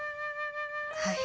はい。